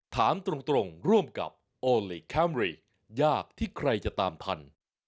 ถามตรงร่วมกับโอลี่คัมรี่ยากที่ใครจะตามทัน